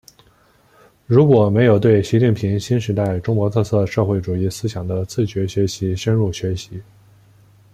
如果没有对习近平新时代中国特色社会主义思想的自觉学习深入学习